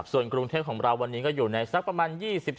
ส่วนกรุงเทพของเราวันนี้ก็อยู่ในสักประมาณ๒๓